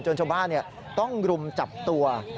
ชาวบ้านต้องรุมจับตัว